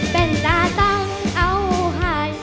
เป็นดาตั้งเอาหาย